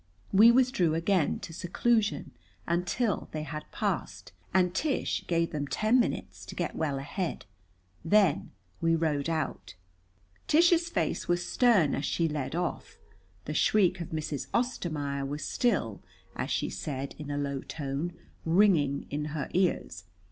We withdrew again to seclusion until they had passed, and Tish gave them ten minutes to get well ahead. Then we rode out. Tish's face was stern as she led off. The shriek of Mrs. Ostermaier was still, as she said in a low tone, ringing in her ears.